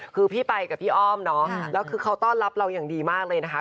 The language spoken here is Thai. คือพี่ไปกับพี่อ้อมเนาะแล้วคือเขาต้อนรับเราอย่างดีมากเลยนะคะ